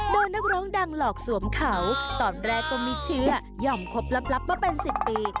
โดยนักร้องดังหลอกสวมเขาตอนแรกก็ไม่เชื่อยอมคบลับมาเป็น๑๐ปี